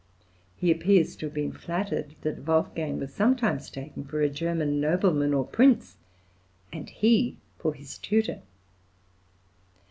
He appears to have been flattered that Wolfgang was sometimes taken for a German nobleman or prince, and he for his tutor.